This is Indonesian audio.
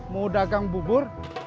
mau dagang bubur